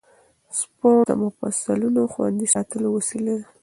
سپورت د مفصلونو خوندي ساتلو وسیله ده.